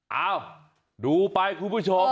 เอ้าดูไปคุณผู้ชม